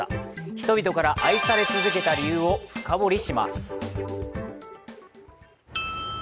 人々から愛され続けた理由を深掘りします。